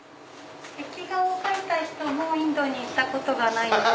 壁画を描いた人もインドに行ったことがないんです。